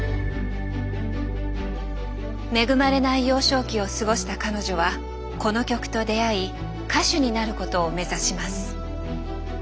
恵まれない幼少期を過ごした彼女はこの曲と出会い歌手になることを目指します。